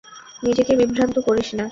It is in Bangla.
নিজেকে বিভ্রান্ত করিস না।